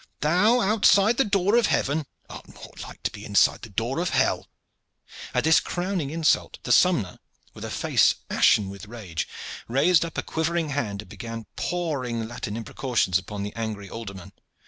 Thou outside the door of heaven! Art more like to be inside the door of hell." At this crowning insult the sompnour, with a face ashen with rage, raised up a quivering hand and began pouring Latin imprecations upon the angry alderman.